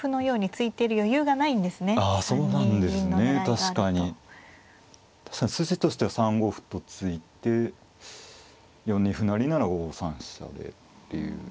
確かに筋としては３五歩と突いて４二歩成なら５三飛車でっていう。